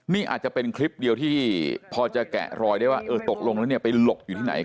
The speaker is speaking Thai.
นี่อาจจะเป็นคลิปเดียวที่พอจะแกะรอยได้ว่าเออตกลงแล้วเนี่ยไปหลบอยู่ที่ไหน